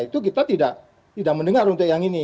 itu kita tidak mendengar untuk yang ini